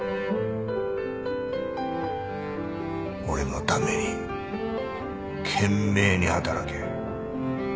俺のために懸命に働け